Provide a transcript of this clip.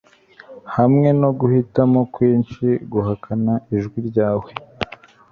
hamwe no guhitamo kwinshi guhakana ijwi ryawe